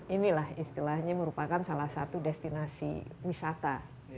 inilah istilahnya merupakan salah satu destinasi wisata